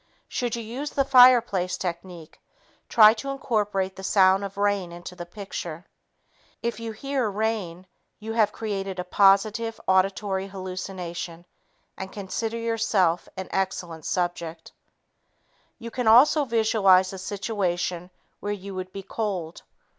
Should you use the fireplace technique, try to incorporate the sound of rain into the picture. If you "hear" rain you have created a positive auditory hallucination and can consider yourself an excellent subject. You can also visualize a situation where you would be cold.